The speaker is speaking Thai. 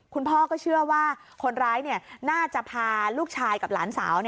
คุณพ่อก็เชื่อว่าคนร้ายน่าจะพาลูกชายกับหลานสาว